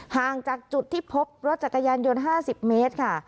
ห่างจากจุดที่พบรถจักรยานยนต์๕๐เมตรค่ะ